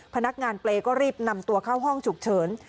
พนักงานเปรย์ก็รีบนำตัวเข้าห้องฉุกเฉิน